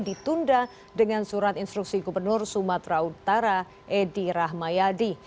ditunda dengan surat instruksi gubernur sumatera utara edy rahmayadi